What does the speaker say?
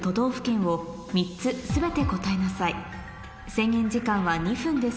制限時間は２分です